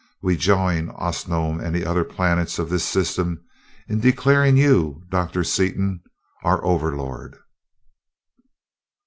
We join Osnome and the other planets of this system in declaring you, Doctor Seaton, our Overlord."